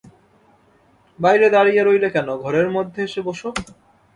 বাইরে দাঁড়িয়ে রইলে কেন, ঘরের মধ্যে এসো বোসো।